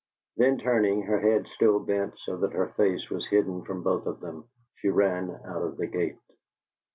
Then turning, her head still bent so that her face was hidden from both of them, she ran out of the gate.